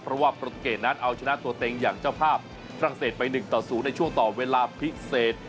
เพราะว่าโปรเกตนั้นเอาชนะตัวเต็งอย่างเจ้าภาพฝรั่งเศสไป๑ต่อ๐ในช่วงต่อเวลาพิเศษ